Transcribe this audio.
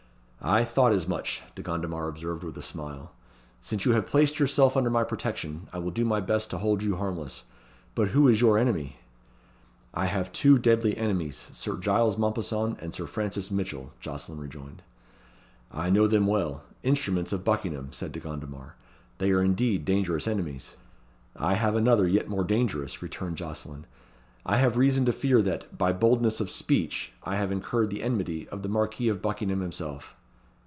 "I thought as much," De Gondomar observed with a smile. "Since you have placed yourself under my protection, I will do my best to hold you harmless. But who is your enemy?" "I have two deadly enemies, Sir Giles Mompesson and Sir Francis Mitchell," Jocelyn rejoined. "I know them well instruments of Buckingham," said De Gondomar. "They are indeed dangerous enemies." "I have another yet more dangerous," returned Jocelyn. "I have reason to fear that, by boldness of speech I have incurred the enmity of the Marquis of Buckingham himself."